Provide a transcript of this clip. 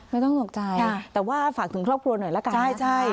ไม่ต้องตกใจแต่ว่าฝากถึงครอบครัวหน่อยละกันใช่ใช่